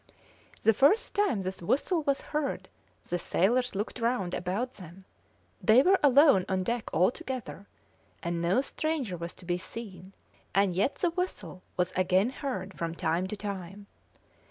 The first time this whistle was heard the sailors looked round about them; they were alone on deck all together, and no stranger was to be seen; and yet the whistle was again heard from time to time.